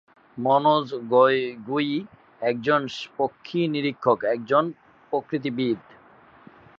মনোজ গগৈ একজন পক্ষী নিরীক্ষক এবং একজন প্রকৃতিবিদ।